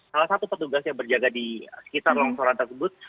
salah satu petugas yang berjaga di sekitar rsud